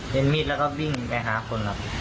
เห็นมีดแล้วก็วิ่งไปหาคนครับ